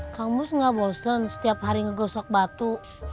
kang mus gak bosen setiap hari ngegosok batu